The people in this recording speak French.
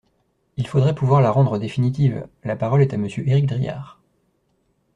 Il faudrait pouvoir la rendre définitive ! La parole est à Monsieur Éric Diard.